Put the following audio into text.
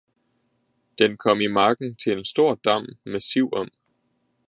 Den kom i marken til en stor dam med siv om.